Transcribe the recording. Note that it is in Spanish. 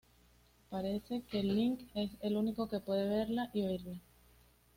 Parece que Link es el único que puede verla y oírla...